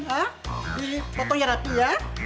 hah di potong ya rapi ya